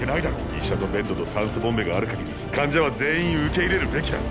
医者とベッドと酸素ボンベがある限り患者は全員受け入れるべきだ。